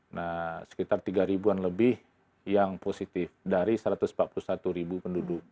nah sekitar tiga ribuan lebih yang positif dari satu ratus empat puluh satu ribu penduduk